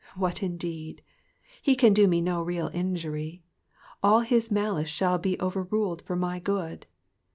What indeed? He can do me no real injury ; all his malice aha II be overruled for my good.